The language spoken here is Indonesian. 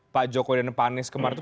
pak jokowi dan pak anies kemarin itu